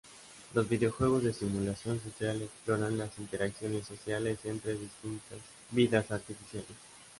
Los videojuegos de simulación social exploran las interacciones sociales entre distintas vidas artificiales.